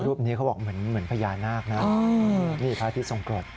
รูปนี้เขาบอกเหมือนพญานาคนะนี่พระอาทิตยทรงกรด